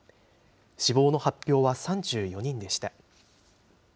死亡の発表は３４人でした。